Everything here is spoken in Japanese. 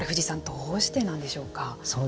どうしてなんでしょうか。